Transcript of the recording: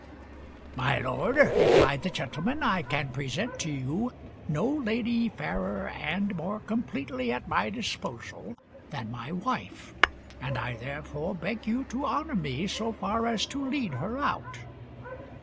"My lord," replied the gentleman, "I can present to you no lady fairer and more completely at my disposal than my wife, and I therefore beg you to honour me so far as to lead her out."